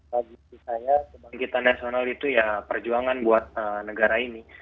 bagi saya kebangkitan nasional itu ya perjuangan buat negara ini